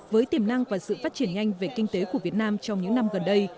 với tiềm năng và sự phát triển nhanh về kinh tế của việt nam trong những năm gần đây